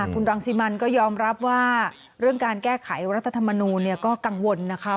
คุณรังสิมันก็ยอมรับว่าเรื่องการแก้ไขรัฐธรรมนูลก็กังวลนะคะ